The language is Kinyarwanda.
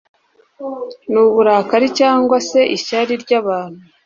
nk’uburakari cyangwa se ishyari by’abantu